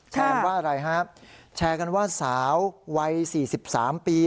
แชร์กันว่าอะไรครับแชร์กันว่าสาววัย๔๓ปี